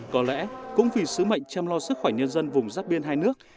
có lẽ cũng vì sứ mệnh chăm lo sức khỏe nhân dân vùng giáp biên hai nước